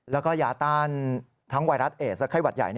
แล้วก็ยาต้านทั้งไวรัสเอสและไข้หวัดใหญ่